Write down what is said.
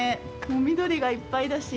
もう緑がいっぱいだし。